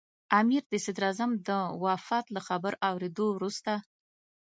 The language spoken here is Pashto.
امیر د صدراعظم د وفات له خبر اورېدو وروسته.